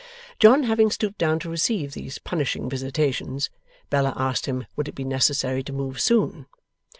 John having stooped down to receive these punishing visitations, Bella asked him, would it be necessary to move soon?